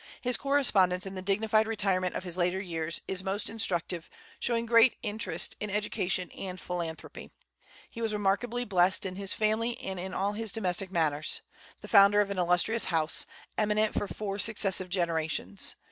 His correspondence in the dignified retirement of his later years is most instructive, showing great interest in education and philanthropy. He was remarkably blessed in his family and in all his domestic matters, the founder of an illustrious house, eminent for four successive generations.